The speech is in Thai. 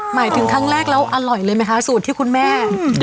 หมายถึงครั้งแรกแล้วอร่อยเลยไหมคะสูตรที่คุณแม่